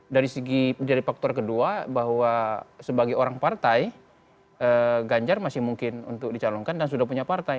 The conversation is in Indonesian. dari segi menjadi faktor kedua bahwa sebagai orang partai ganjar masih mungkin untuk dicalonkan dan sudah punya partai